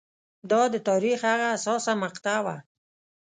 دا د تاریخ هغه حساسه مقطعه وه